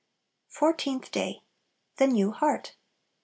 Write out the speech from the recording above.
Fourteenth Day. The New Heart.